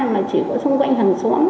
mà chỉ có xung quanh hàng xóm